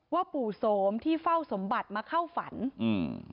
ปู่โสมที่เฝ้าสมบัติมาเข้าฝันอืม